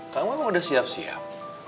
kamu emang udah siap siap